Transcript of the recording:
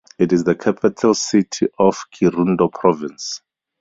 It is the capital city of Kirundo Province.